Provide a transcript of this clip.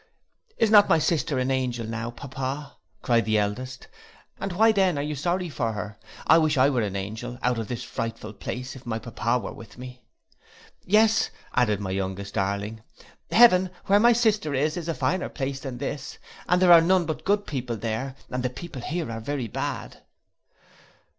'And is not my sister an angel, now, pappa,' cried the eldest, 'and why then are you sorry for her? I wish I were an angel out of this frightful place, if my pappa were with me.' 'Yes,' added my youngest darling, 'Heaven, where my sister is, is a finer place than this, and there are none but good people there, and the people here are very bad.